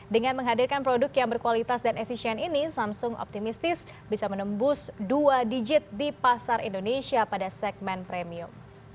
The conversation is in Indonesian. dengan menghadirkan produk yang berkualitas dan efisien ini samsung optimistis bisa menembus dua digit di pasar indonesia pada segmen premium